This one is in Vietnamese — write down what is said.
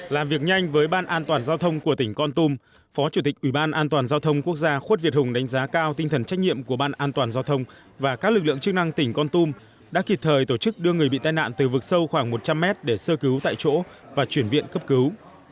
làm việc nhanh với ban an toàn giao thông của tỉnh con tum phó chủ tịch ủy ban an toàn giao thông quốc gia khuất việt hùng đánh giá cao tinh thần trách nhiệm của ban an toàn giao thông và các lực lượng chức năng tỉnh con tum đã kịp thời tổ chức đưa người bị tai nạn từ vực sâu khoảng một trăm linh mét để sơ cứu tại chỗ và chuyển viện cấp cứu